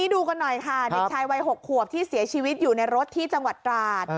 ดูกันหน่อยค่ะเด็กชายวัย๖ขวบที่เสียชีวิตอยู่ในรถที่จังหวัดตราด